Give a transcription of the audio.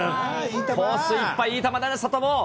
コースいっぱい、いい球だね、サタボー。